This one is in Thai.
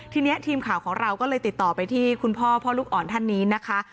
ทีนี้ทีมข่าวของเราก็เลยติดต่อไปที่คุณพ่อพ่อลูกอ่อนท่านนี้นะคะ